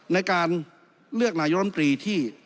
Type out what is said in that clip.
ในการเลือกนายกรรมตรีที่